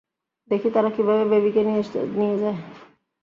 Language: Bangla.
দেখি তারা কিভাবে বেবিকে নিয়ে যায়!